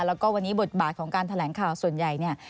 แล้วก็วันนี้บทบาทของการแถลงข่าวส่วนใหญ่เนี่ย